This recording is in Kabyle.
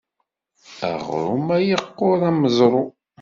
Aɣrum-a yeqqur am weẓru.